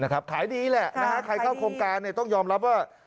ขายดีแหละใครเข้าโครงการต้องยอมรับว่า